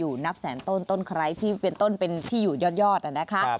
นับแสนต้นต้นไคร้ที่เป็นต้นเป็นที่อยู่ยอดนะคะ